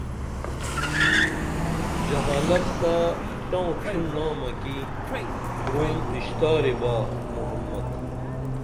جہالت تہ ٹوں ڇھنامہ کی گروم اشتاری با محمد